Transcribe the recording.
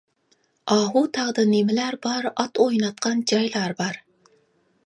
ئاھۇ تاغدا نېمىلەر بار ئات ئويناتقان جايلار بار.